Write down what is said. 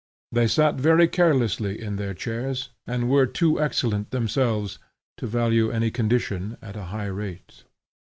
They sat very carelessly in their chairs, and were too excellent themselves, to value any condition at a high rate.